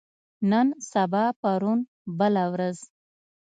نن سبا پرون بله ورځ